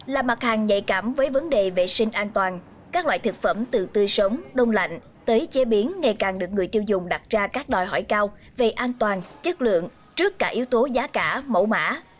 là mặt hàng nhạy cảm với vấn đề vệ sinh an toàn các loại thực phẩm từ tươi sống đông lạnh tới chế biến ngày càng được người tiêu dùng đặt ra các đòi hỏi cao về an toàn chất lượng trước cả yếu tố giá cả mẫu mã